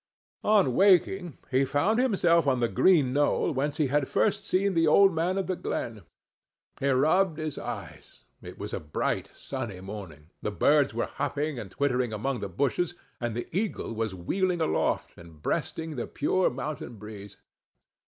On waking, he found himself on the green knoll whence he had first seen the old man of the glen. He rubbed his eyes—it was a bright sunny morning. The birds were hopping and twittering among the bushes, and the eagle was wheeling aloft, and breasting the pure[Pg 11] mountain breeze.